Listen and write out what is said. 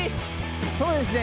そうですね。